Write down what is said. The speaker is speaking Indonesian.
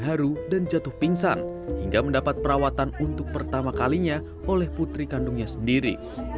haru dan jatuh pingsan hingga mendapat perawatan untuk pertama kalinya oleh putri kandungnya sendiri